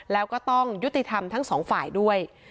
แล้วก็ต้องยุติธรรมทั้งสองฝ่ายด้วย